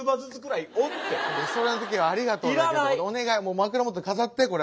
枕元に飾ってこれ。